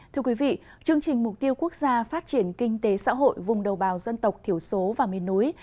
thưa quý vị chương trình mục tiêu quốc gia phát triển kinh tế xã hội vùng đồng bào dân tộc thiểu số và miền núi